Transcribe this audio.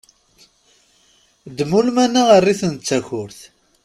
Ddem ulman-a err-iten d takurt!